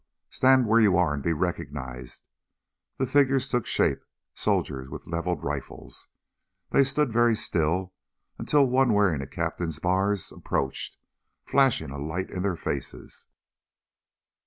"Stand where you are and be recognized." The figures took shape soldiers with leveled rifles. They stood very still until one wearing a captain's bars approached, flashing a light in their faces.